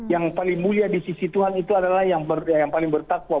yang paling mulia di sisi tuhan itu adalah yang paling bertakwa